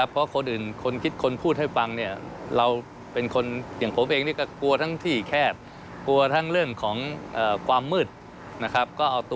เพื่อให้เขาออกมา